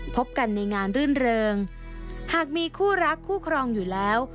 พบกันในงานรื่นเริงหากมีคู่รักคู่ครองอยู่แล้ว